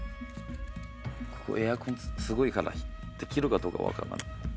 エアコンすごいからできるかどうか分からない。